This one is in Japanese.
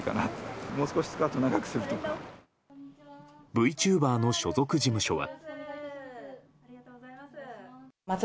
Ｖチューバーの所属事務所は。